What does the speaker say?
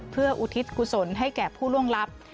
เพื่ออุทิศกุศลให้แก่ผู้ล่วงลับ